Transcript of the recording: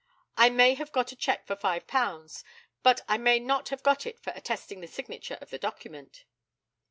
I may have got a cheque for £5, but I may not have got it for attesting the signature of the document.